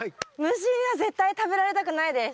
虫には絶対食べられたくないです。